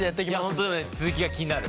本当にね続きが気になる。